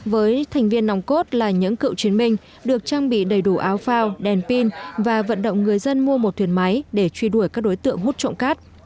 với thành viên nòng cốt là những cựu chiến binh được trang bị đầy đủ áo phao đèn pin và vận động người dân mua một thuyền máy để truy đuổi các đối tượng hút trộm cát